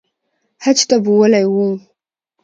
حج ته بوولي وو